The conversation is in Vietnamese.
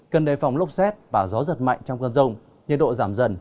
cần đề phòng lốc xét và gió giật mạnh trong cơn rông nhiệt độ giảm dần